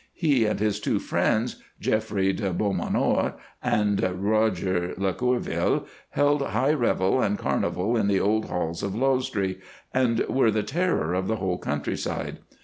He and his two friends, Geoffrey De Beaumanoir and Roger Le Courville, held high revel and carnival in the old halls of Lausdree, and were the terror of the whole countryside.